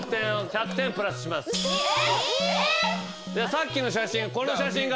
さっきの写真この写真が。